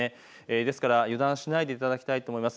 ですから油断しないでいただきたいと思います。